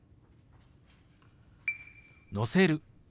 「載せる」。